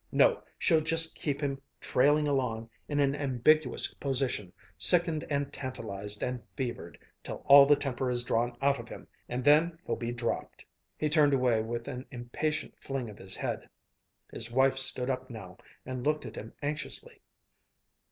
No, she'll just keep him trailing along, in an ambiguous position, sickened and tantalized and fevered, till all the temper is drawn out of him and then hell be dropped," He turned away with an impatient fling of his head. His wife stood up now and looked at him anxiously.